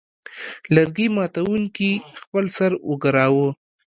لرګي ماتوونکي خپل سر وګراوه.